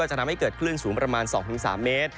จะทำให้เกิดคลื่นสูงประมาณ๒๓เมตร